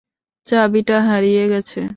চাবিটা হারিয়ে গেছে!